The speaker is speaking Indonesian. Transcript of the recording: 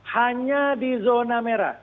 hanya di zona merah